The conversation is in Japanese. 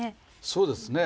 そうですね。